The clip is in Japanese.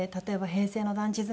「平成の団地妻」。